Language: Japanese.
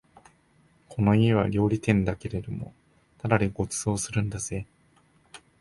この家は料理店だけれどもただでご馳走するんだぜ